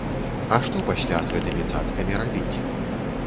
А што пасля з гэтымі цацкамі рабіць?